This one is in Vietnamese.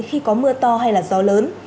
khi có mưa to hay là gió lớn